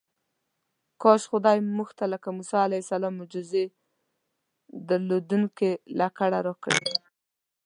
کاش خدای موږ ته لکه موسی علیه السلام معجزې درلودونکې لکړه راکړې وای.